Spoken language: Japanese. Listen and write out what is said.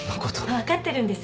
分かってるんです。